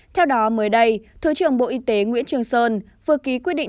theo đó mới đây thứ trưởng bộ y tế nguyễn trường sơn vừa ký quyết định